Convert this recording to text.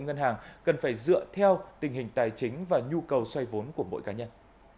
ngân hàng cần phải dựa theo tình hình tài chính và nhu cầu xoay vốn của mỗi cá nhân